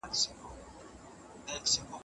په لاس خط لیکل پر نورو د تکیې مخه نیسي.